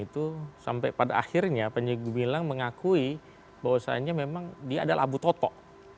itu sampai pada akhirnya panjago milang mengakui bahwasannya memang dia adalah abu totok